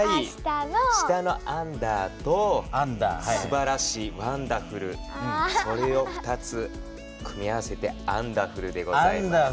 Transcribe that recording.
下の「アンダー」とすばらしい「ワンダフル」それを２つ組み合わせて「アンダフル」でございます。